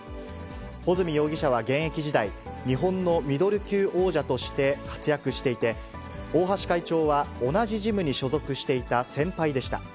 保住容疑者は現役時代、日本のミドル級王者として活躍していて、大橋会長は同じジムに所属していた先輩でした。